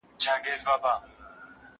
هغه وويل چي جواب ورکول مهم دي،